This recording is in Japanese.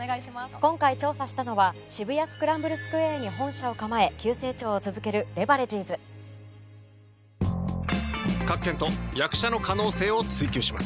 今回調査したのは渋谷スクランブルスクエアに本社を構え急成長を続けるレバレジーズ役者の可能性を追求します。